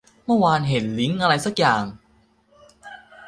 เมื่อวานเห็นลิงก์อะไรซักอย่าง